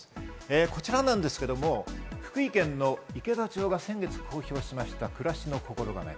こちらなんですが、福井県池田町が先月公表した、暮らしの心構え。